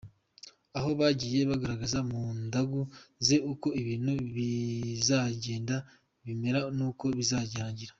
Aho yagiye agaragaza mu ndagu ze uko ibintu bizagenda bimera nuko bizarangira.